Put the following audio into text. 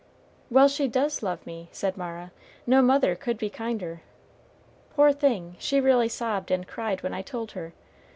"Well, she does love me," said Mara. "No mother could be kinder. Poor thing, she really sobbed and cried when I told her.